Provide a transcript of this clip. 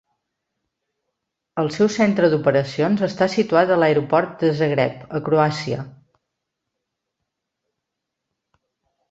El seu centre d'operacions està situat a l'aeroport de Zagreb, a Croàcia.